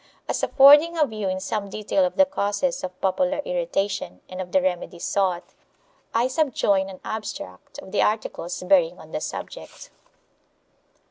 As affording a view in some detail of the causes of popular irri tation and of the remedies sought, I subjoin an abstract of the articles bearing on the subject.